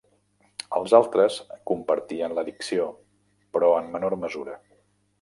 Els altres compartien l'addicció però en menor mesura.